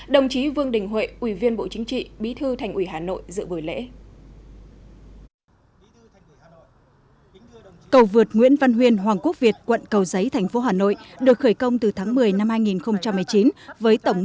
đồng chí vương đình huệ ủy viên bộ chính trị bí thư thành ủy hà nội dự buổi lễ